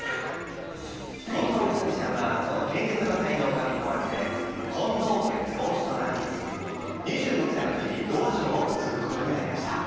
近藤勇ちゃんはその剣術の才能が見込まれて近藤家の養子となり２６歳の時に道場をつぐことになりました。